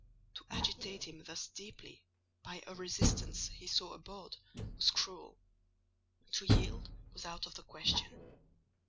To agitate him thus deeply, by a resistance he so abhorred, was cruel: to yield was out of the question.